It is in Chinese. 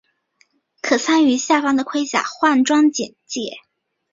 可参考下方的盔甲换装简介。